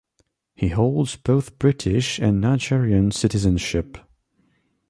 He holds both British and Nigerian citizenship.